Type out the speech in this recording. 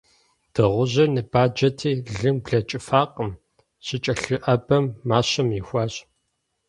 Дыгъужьыр ныбаджэти, лым блэкӏыфакъым: щыкӏэлъыӏэбэм мащэм ихуащ.